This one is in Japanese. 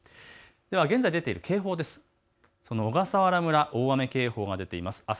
では現在出ている警報です。